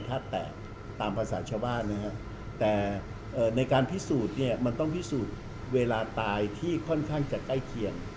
แต่ในการพิสูจน์ต้องพิสูจน์เวลาตายที่ค่อนข้างก็ใกล้เคียง